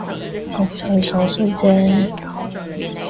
各取所需姐